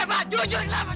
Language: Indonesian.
eh mbak jujurlah mas